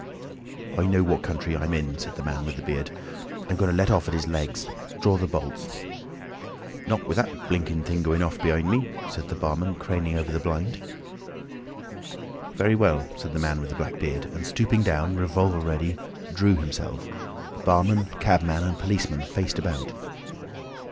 "I know what country I'm in," said the man with the beard. "I'm going to let off at his legs. Draw the bolts." "Not with that blinking thing going off behind me," said the barman, craning over the blind. "Very well," said the man with the black beard, and stooping down, revolver ready, drew them himself. Barman, cabman, and policeman faced about.